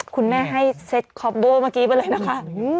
คุณแม่ให้เซ็ตคอปโบเมื่อกี้ไปเลยนะคะ